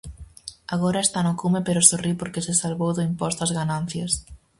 Agora está no cume pero sorrí porque se salvou do imposto ás ganancias.